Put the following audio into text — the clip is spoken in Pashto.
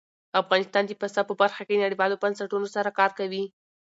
افغانستان د پسه په برخه کې نړیوالو بنسټونو سره کار کوي.